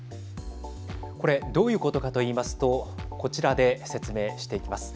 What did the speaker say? これどういうことかと言いますとこちらで説明していきます。